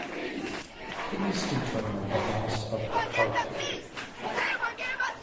These determine the mass of the particle.